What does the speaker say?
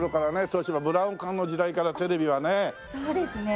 東芝ブラウン管の時代からテレビはね。